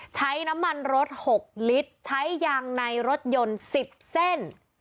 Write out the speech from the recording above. ใช้น้ำมันรถ๖ลิตรใช้ยางในรถยนต์๑๐เส้น